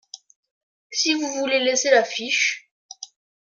Si vous voulez laisser la fiche.